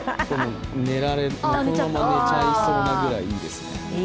このまま寝ちゃいそうなぐらいいいですね。